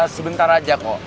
sebentar aja kok